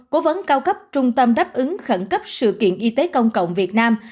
cố vấn cao cấp trung tâm đáp ứng khẩn cấp sự kiện y tế công cộng việt nam